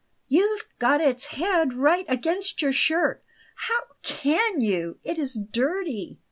"You've got its head right against your shirt! How CAN you? It is dirty!"